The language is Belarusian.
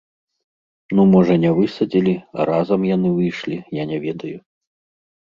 Ну можа, не высадзілі, а разам яны выйшлі, я не ведаю.